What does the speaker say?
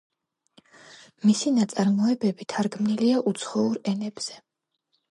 მისი ნაწარმოებები თარგმნილია უცხოურ ენებზე.